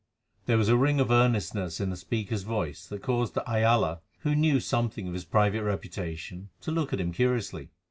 There was a ring of earnestness in the speaker's voice that caused de Ayala, who knew something of his private reputation, to look at him curiously.